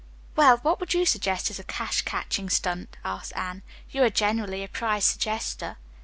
"Well, what would you suggest as a cash catching stunt?" asked Anne. "You are generally a prize suggester."